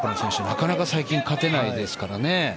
なかなか最近勝てないですからね